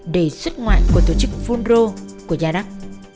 để xuất ngoại của tổ chức funro của gia đắc